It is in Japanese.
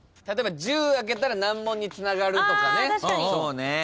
例えば１０あけたら難問につながるとかね。